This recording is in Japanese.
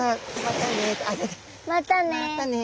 またね！